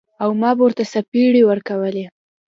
او ما به ورته څپېړې ورکولې.